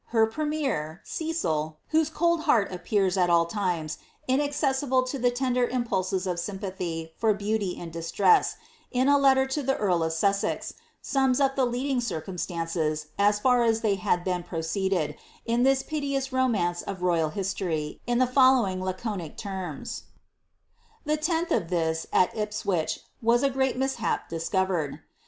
Her premier, Cecil, whose cold heart appears, at all times, inaccessible lo the lender impulses of sympathy for brauly in distress, in a letter to Ihe earl of Sussex, sums up the leading circumstances, as far as they had then proceeded, in this pileous romance of royal history, in the fol lowing laconic terms :" The lOth of ihis, al Ipswich, was a great mis hap discovered."